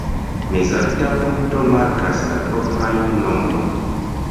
Mezalta punkto markas la proprajn nomojn.